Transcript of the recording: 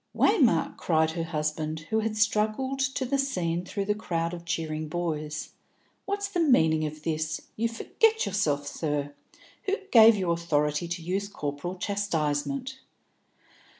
"Waymark," cried her husband, who had struggled to the scene through the crowd of cheering boys, "what's the meaning of this? You forget yourself, sir. Who gave you authority to use corporal chastisement?"